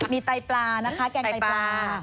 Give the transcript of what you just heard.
มีไตปลานะคะแกงไตปลา